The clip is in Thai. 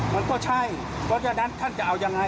มันก็ใช่เพราะฉะนั้นท่านจะเอายังไง